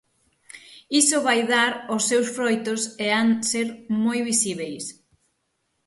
Iso vai dar os seus froitos e han ser moi visíbeis.